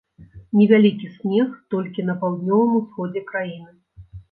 Невялікі снег толькі на паўднёвым усходзе краіны.